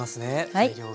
材料が。